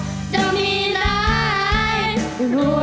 เพื่อนเลือกกันเพื่อนตายตลอดไป